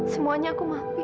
semuanya aku maafin